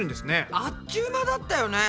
あっちゅう間だったよね。ね。